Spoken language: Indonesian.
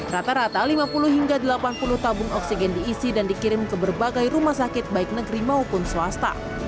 rata rata lima puluh hingga delapan puluh tabung oksigen diisi dan dikirim ke berbagai rumah sakit baik negeri maupun swasta